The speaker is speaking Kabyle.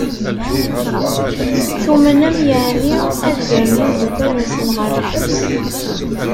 Tumnem yeɛni ad gren imdukal-nsen ɣer lḥebs?